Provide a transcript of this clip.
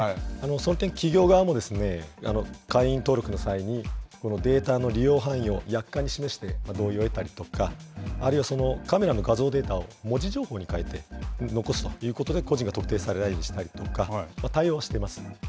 その点、企業側も会員登録の際にデータの利用範囲を約款に示して同意を得たりとか、あるいはカメラの画像データを文字情報に変えて残すということで、個人が特定されないようにしたりとか、対応しています。